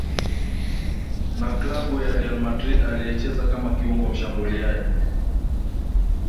Na klabu ya Real Madrid aliyecheza kama kiungo mshambuliaji